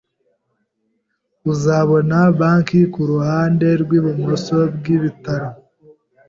Uzabona banki kuruhande rwibumoso bwibitaro.